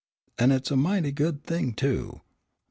"An' it's a mighty good thing, too.